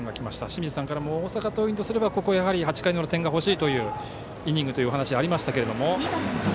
清水さんからも大阪桐蔭とすれば８回までに点がほしいというイニングというお話がありましたけれども。